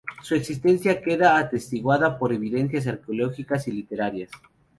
Su existencia queda atestiguada por evidencias arqueológicas y literarias.